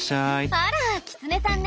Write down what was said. あらキツネさんね。